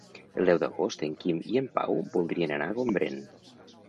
El deu d'agost en Quim i en Pau voldrien anar a Gombrèn.